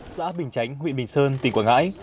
xã bình chánh huyện bình sơn tỉnh quảng ngãi